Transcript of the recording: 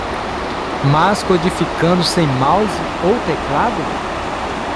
Mas codificando sem mouse ou teclado?